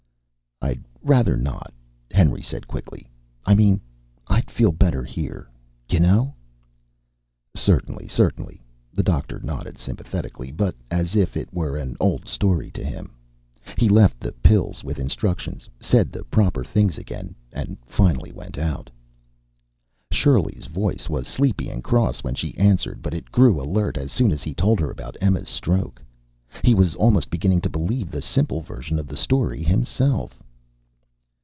"I'd rather not," Henry said quickly. "I mean, I'd feel better here. You know...." "Certainly, certainly." The doctor nodded sympathetically, but as if it were an old story to him. He left the pills with instructions, said the proper things again, and finally went out. Shirley's voice was sleepy and cross when she answered, but it grew alert as soon as he told her about Emma's stroke. He was almost beginning to believe the simple version of the story himself.